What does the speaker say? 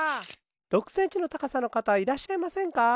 ６センチのたかさの方はいらっしゃいませんか？